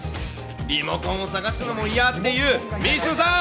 リモコンを探すのも嫌っていうみーすーさん。